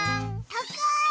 たかい！